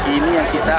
ini yang kita